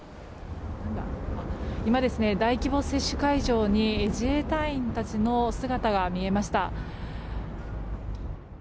今、大規模接種会場に自衛隊員たちの姿が見えました。